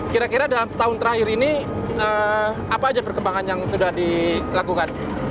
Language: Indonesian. kira kira dalam setahun terakhir ini apa aja perkembangan yang sudah dilakukan